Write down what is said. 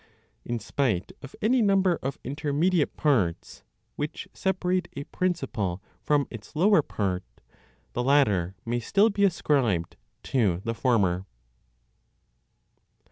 In spite of any number of intermediate parts (which separate) a principle from its lower part, the latter may still be ascribed to the former.